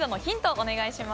お願いします。